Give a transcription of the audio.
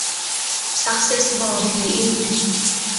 ซัคเซสมอร์ บีอิ้งค์